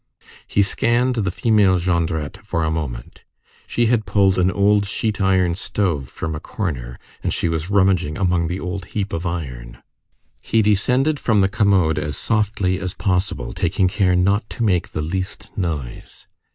He scanned the female Jondrette for a moment. She had pulled an old sheet iron stove from a corner, and she was rummaging among the old heap of iron. He descended from the commode as softly as possible, taking care not to make the least noise.